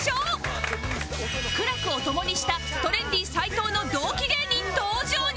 苦楽を共にしたトレンディ斎藤の同期芸人登場に